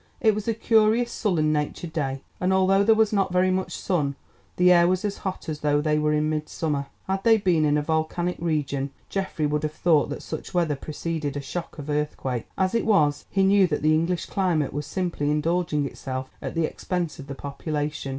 It was a curious sullen natured day, and although there was not very much sun the air was as hot as though they were in midsummer. Had they been in a volcanic region, Geoffrey would have thought that such weather preceded a shock of earthquake. As it was he knew that the English climate was simply indulging itself at the expense of the population.